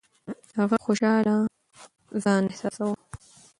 هغه خوشاله ځان احساساوه.